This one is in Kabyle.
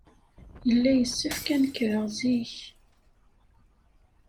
Yella yessefk ad nekreɣ zik.